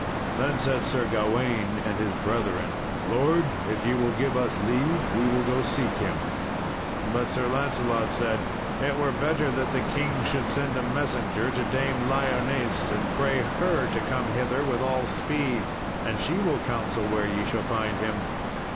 Then said Sir Gawain and his brethren, "Lord, if ye will give us leave we will go seek him." But Sir Lancelot said, "It were better that the king should send a messenger to Dame Lyones and pray her to come hither with all speed, and she will counsel where ye shall find him."